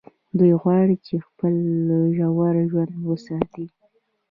دوی غواړي خپل زوړ ژوند وساتي.